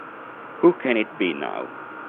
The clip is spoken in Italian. Who Can It Be Now?